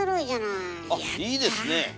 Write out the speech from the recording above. あっいいですね。